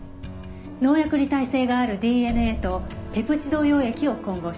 農薬に耐性があるＤＮＡとペプチド溶液を混合したもの。